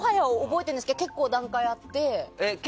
覚えてないんですけど結構、段階あって。